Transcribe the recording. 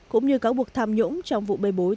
cũng như cáo buộc tham nhũng trong vụ bê bối